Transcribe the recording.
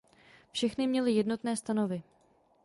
Všechny měly jednotné stanovy.